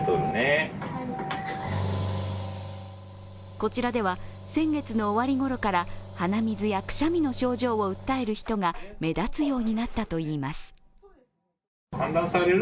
こちらでは、先月の終わりごろから鼻水やくしゃみの症状を訴える人が目立つようになったといいます。